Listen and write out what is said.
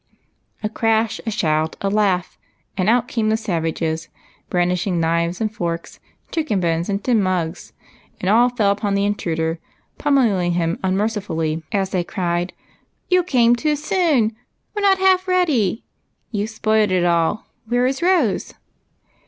" A crash, a shout, a laugh, and out came the savages, brandishing knives and forks, chicken bones, and tin mugs, and all fell upon the intruder, pommelling him unmercifully as they cried, —" You came too soon ! "We are not half ready ! You Ve spoilt it all ! Where is Rose